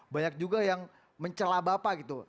banyak juga yang mencelabapa gitu